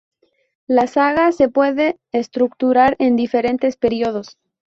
La saga se puede estructurar en diferentes periodos.